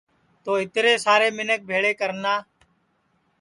تو اِترے سارے منکھ بھیݪے کرنا